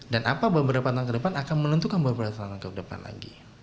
dan apa beberapa tahun ke depan akan menentukan beberapa tahun ke depan lagi